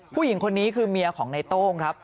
ผู้หญิงคนนี้คือเมียของในโต้งครับ